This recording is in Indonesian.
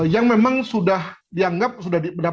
yang memang sudah dianggap sudah